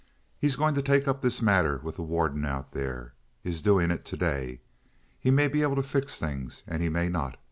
He's going to take up this matter with the warden out there—is doing it today. He may be able to fix things, and he may not.